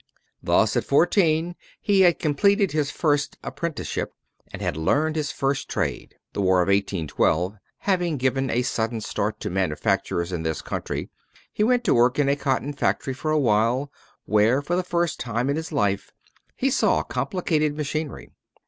Thus, at fourteen, he had completed his first apprenticeship, and had learned his first trade. The War of 1812 having given a sudden start to manufactures in this country, he went to work in a cotton factory for a while, where, for the first time in his life, he saw complicated machinery.